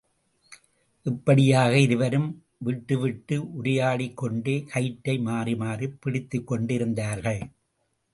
இப்படியாக இருவரும் விட்டுவிட்டு உரையாடிக்கொண்டே கயிற்றை மாறிமாறிப் பிடித்துக்கொண்டிருந்தார்கள்.